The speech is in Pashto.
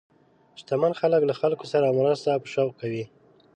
شتمن خلک له خلکو سره مرسته په شوق کوي.